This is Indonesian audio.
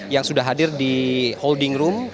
yang sudah hadir di holding room